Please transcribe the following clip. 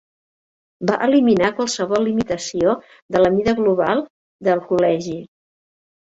Va eliminar qualsevol limitació de la mida global del Col·legi.